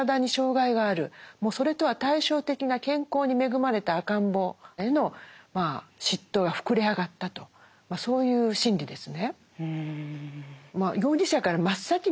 もうそれとは対照的な健康に恵まれた赤ん坊への嫉妬が膨れ上がったとそういう心理ですね。